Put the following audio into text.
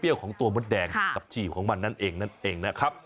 เปรี้ยวของตัวมดแดงกับจีบของมันนั่นเองนะครับ